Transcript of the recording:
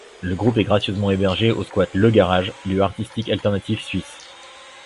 Le groupe est gracieusement hébergé au squat Le Garage, lieu artistique alternatif suisse.